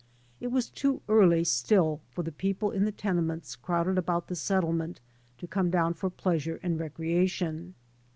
It was too early still for the people in the tenements crowded about the settlement, to come down for pleasure and recreation.